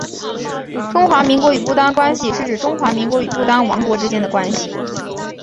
中华民国与不丹关系是指中华民国与不丹王国之间的关系。